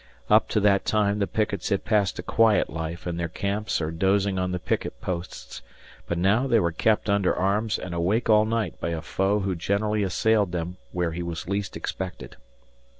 Up to that time the pickets had passed a quiet life in their camps or dozing on the picket posts, but now they were kept under arms and awake all night by a foe who generally assailed them where he was least expected.